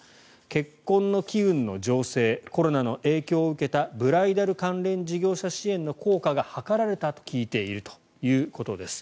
結婚の機運の醸成コロナの影響を受けたブライダル関連事業者支援の効果が図られたと聞いているということです。